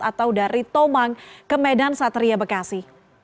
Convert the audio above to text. atau dari tomang ke medan satria bekasi